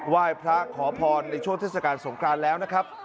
ไหว้พระขอพรในช่วงเทศกาลสงครานแล้วนะครับ